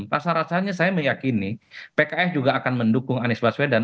rasa rasanya saya meyakini pks juga akan mendukung anies baswedan